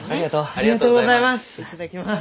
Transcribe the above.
ありがとうございます！